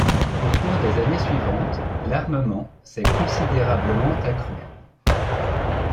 Au cours des années suivantes, l’armement s’est considérablement accru.